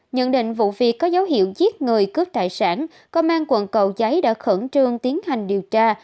nhận định vụ việc có dấu hiệu giết người cướp tài sản công an quận cầu giấy đã khẩn trương tiến hành điều tra